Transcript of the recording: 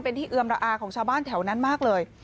เป็นที่เอือมระอาของชาวบ้านแถวนั้นมากเลย